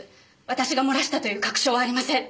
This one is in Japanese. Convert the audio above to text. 私が漏らしたという確証はありません。